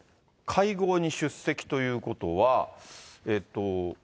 会合に出席ということは。